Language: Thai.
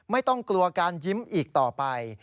ไม่ต้องกลัวการยิ้มอีกต่อไป